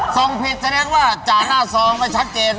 ผิดแสดงว่าจ่าหน้าซองไม่ชัดเจน